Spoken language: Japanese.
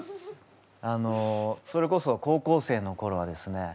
あのそれこそ高校生のころはですね